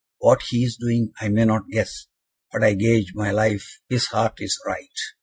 What he is doing I may not guess, but I gage my life his heart is right."